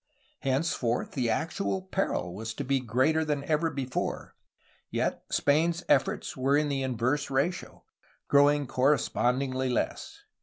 Henceforth, the actual peril was to be greater than ever before; yet, Spain^s efforts were in the inverse ratio, growing correspondingly less.